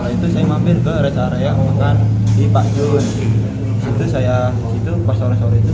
itu saya mampir ke rest area makan di pakjun itu saya situ pas sore sore itu